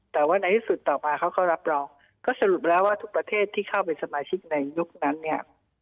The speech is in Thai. แต่ว่าในที่สุดต่อมาเขาก็รับรองก็สรุปแล้วว่าทุกประเทศที่เข้าเป็นสมาชิกในยุคนั้นเนี่ย